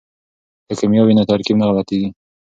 که کیمیا وي نو ترکیب نه غلطیږي.